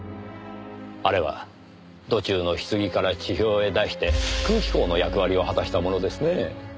あれは土中の棺から地表へ出して空気孔の役割を果たしたものですねぇ。